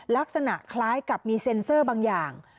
ลักษณะคล้ายกับมีเซ็นเซอร์บางอย่าง